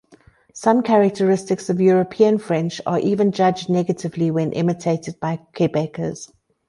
Some characteristics of European French are even judged negatively when imitated by Quebecers.